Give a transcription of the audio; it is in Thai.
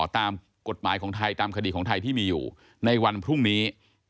ตามกฎหมายของไทยตามคดีของไทยที่มีอยู่ในวันพรุ่งนี้